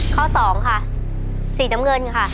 ข้อ๒ค่ะสีน้ำเงินค่ะ